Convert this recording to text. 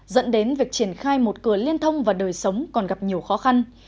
dẫn đến việc triển khai một cửa liên thông và đời sống còn gặp nhiều khó khăn